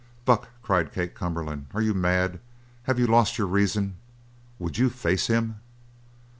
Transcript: "Buck!" cried Kate Cumberland. "Are you mad? Have you lost your reason? Would you face him?"